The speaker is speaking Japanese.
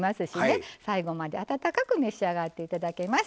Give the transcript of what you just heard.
最後まで温かく召し上がって頂けます。